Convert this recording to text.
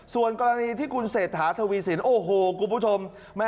ส่วนกรณีที่คุณเศรษฐาทวีสินโอ้โหคุณผู้ชม